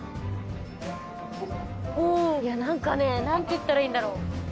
何かね何ていったらいいんだろう。